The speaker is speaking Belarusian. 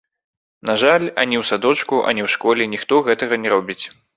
На жаль, ані ў садочку, ані ў школе ніхто гэтага не робіць.